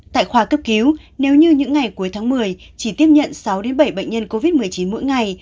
tại khoa cấp cứu nếu như những ngày cuối tháng một mươi chỉ tiếp nhận sáu bảy bệnh nhân covid một mươi chín mỗi ngày